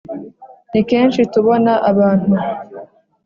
ni kenshi tubona abantu